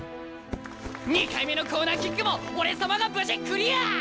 ２回目のコーナーキックも俺様が無事クリア！